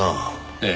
ええ。